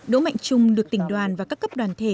đỗ mạnh trung được tỉnh đoàn và các cấp đoàn thể